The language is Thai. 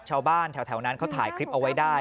ชาวบ้านแถวนั้นเขาถ่ายคลิปเอาไว้ได้